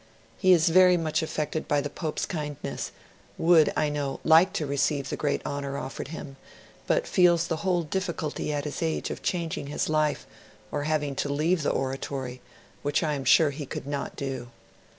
He is very much affected by the Pope's kindness and would, I know, like to receive the great honour offered him, but feels the whole difficulty at his age of changing his life or having to leave the Oratory which I am sure he could not do.